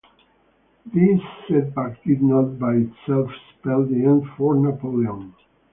This setback did not by itself spell the end for Napoleon.